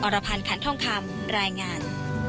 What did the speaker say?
รพันธ์ขันทองคำรายงาน